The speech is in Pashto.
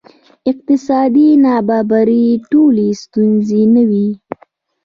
اقتصادي نابرابري ټولې ستونزې نه وه.